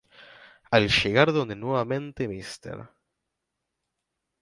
Al llegar donde nuevamente Mr.